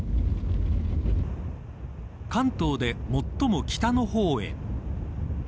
関東で最も北の方へ。